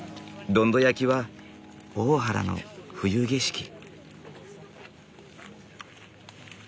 どんど焼きは大原の冬景色。